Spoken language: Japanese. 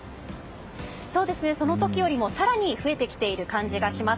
その時よりも更に増えている感じがします。